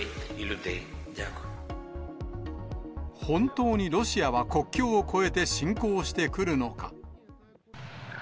本当にロシアは国境を越えて侵攻してくるのか。